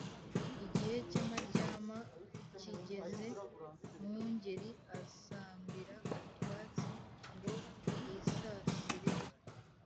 Igihe cy' amaryama kigeze, Mwungeli asambira utwatsi ngo yisasire ukwe